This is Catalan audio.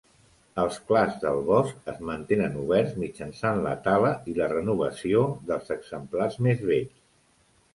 Els clars del bosc es mantenen oberts mitjançant la tala i la renovació dels exemplars més vells.